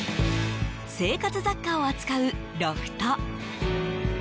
生活雑貨を扱うロフト。